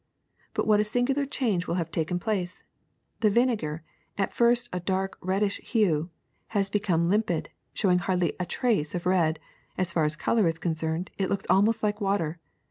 But what a singular change will have taken place ! The vinegar, at first of a dark reddish hue, has become limpid, showing hardly a trace of red ; as far as color is concerned it looks almost like water.